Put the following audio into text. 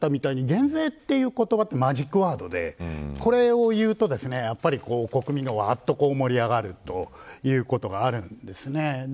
先ほど若狭さんがおっしゃったみたいに減税というのはマジックワードでこれを言うと、国民がわーっと盛り上がるということがあるんです。